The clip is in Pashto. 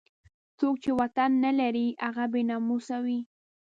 څوک چې وطن نه لري هغه بې ناموسه وي.